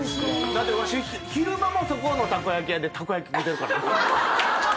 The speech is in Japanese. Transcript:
だけどわし昼間もそこのたこ焼き屋でたこ焼き食うてるからね。